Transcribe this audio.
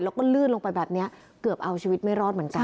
แล้วก็ลื่นลงไปแบบนี้เกือบเอาชีวิตไม่รอดเหมือนกัน